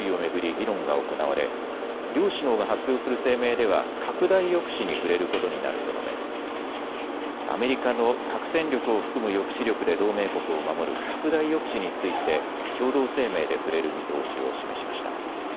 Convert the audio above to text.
議論が行われ両首脳が発表する声明では拡大抑止に触れることになると述べ、アメリカの核戦力を含む抑止力で同盟国を守る拡大抑止について共同声明で触れる見通しを示しました。